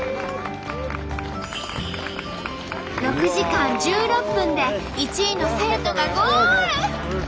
６時間１６分で１位の生徒がゴール！